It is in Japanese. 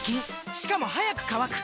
しかも速く乾く！